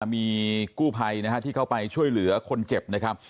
มีกู้ภัยที่เข้าไปช่วยเหลือคนเจ็บนะครับ